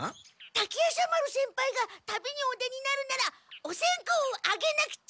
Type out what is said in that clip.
滝夜叉丸先輩が旅にお出になるならお線香をあげなくちゃ。